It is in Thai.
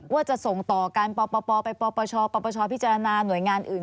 ว่าจะส่งต่อการปปไปปปชปปชพิจารณาหน่วยงานอื่น